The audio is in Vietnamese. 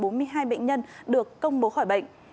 trong số một mươi bảy bệnh nhân còn lại đang được điều trị